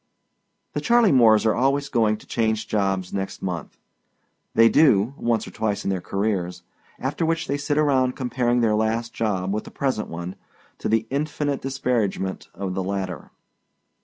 The Charley Moores are always going to change jobs next month. They do, once or twice in their careers, after which they sit around comparing their last job with the present one, to the infinite disparagement of the latter.